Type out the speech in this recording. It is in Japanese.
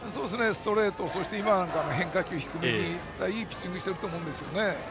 ストレート変化球を低めにいいピッチングをしていると思うんですね。